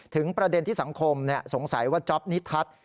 ประเด็นที่สังคมสงสัยว่าจ๊อปนิทัศน์